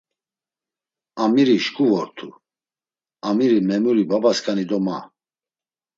Amiri şǩu vortu, amiri memuru babasǩani do ma!